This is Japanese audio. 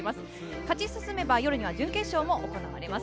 勝ち進めば夜には準決勝も行われます。